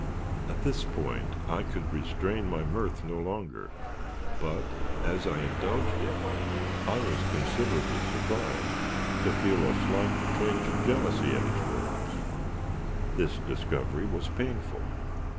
At this point I could restrain my mirth no longer; but, as I indulged it, I was considerably surprised to feel a slight twinge of jealousy at his words. This discovery was painful.